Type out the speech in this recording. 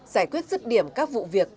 giải quyết dứt điểm các vụ việc